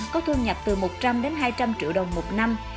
có thu nhập từ một trăm linh đến hai trăm linh triệu đồng một năm